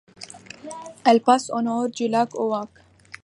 Elle passe au nord du lac Oak.